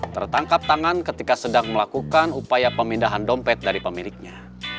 tertangkap tangan ketika sedang melakukan upaya pemindahan dompet dari pemiliknya